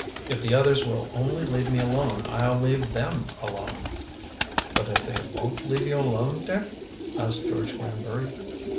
If the others will only leave me alone I'll leave them alone." "But if they won't leave you alone, Dick?" asked George Granbury.